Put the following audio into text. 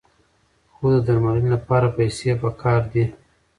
خو د درملنې لپاره پیسې پکار دي.